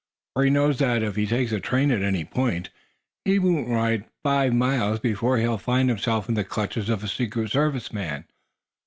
For he knows that, if he takes a train at any point, he won't ride five miles before he'll find himself in the clutches of a Secret Service man.